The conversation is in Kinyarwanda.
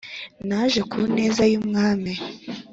naje ku neza yu mwami